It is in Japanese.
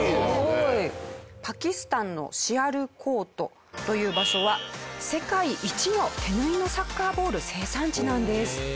パキスタンのシアールコートという場所は世界一の手縫いのサッカーボール生産地なんです。